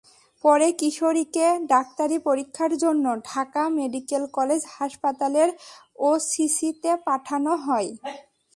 পরে কিশোরীকে ডাক্তারি পরীক্ষার জন্য ঢাকা মেডিকেল কলেজ হাসপাতালের ওসিসিতে পাঠানো হয়।